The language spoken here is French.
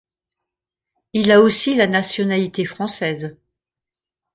Il a aussi la nationalité française.